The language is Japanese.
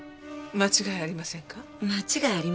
間違いありません。